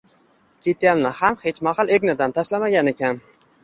Kitelini ham hech mahal egnidan tashlamagan ekan.